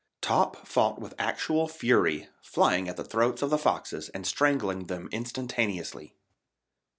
Top fought with actual fury, flying at the throats of the foxes and strangling them instantaneously.